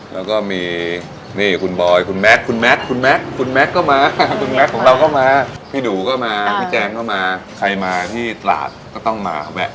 แล้วก็มีนี่คุณบอยคุณแมค